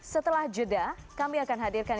setelah jeda kami akan hadirkan